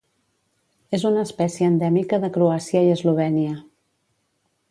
És una espècie endèmica de Croàcia i Eslovènia.